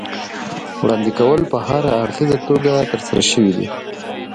وړاندې کول په هراړخیزه توګه ترسره شوي دي.